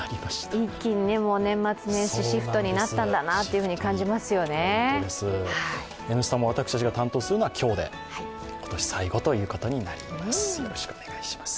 一気に年末年始になったというのを「Ｎスタ」も私たちが担当するのは今日で今年最後になります。